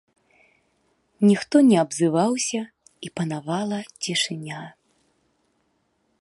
Ніхто не абзываўся, і панавала цішыня.